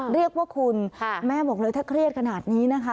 เรียกว่าคุณแม่บอกเลยถ้าเครียดขนาดนี้นะคะ